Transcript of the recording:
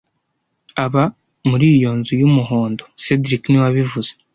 Aba muri iyo nzu y'umuhondo cedric niwe wabivuze